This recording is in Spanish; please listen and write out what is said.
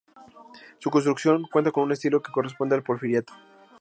Su construcción cuenta con un estilo que corresponde al Porfiriato.